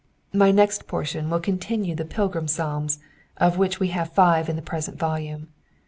My next portion will continue the Pilgrim Psalms, of which we have five in the present volume.